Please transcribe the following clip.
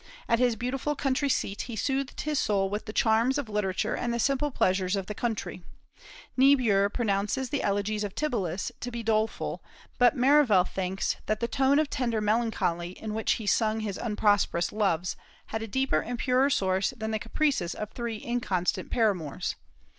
At his beautiful country seat he soothed his soul with the charms of literature and the simple pleasures of the country. Niebuhr pronounces the elegies of Tibullus to be doleful, but Merivale thinks that "the tone of tender melancholy in which he sung his unprosperous loves had a deeper and purer source than the caprices of three inconstant paramours....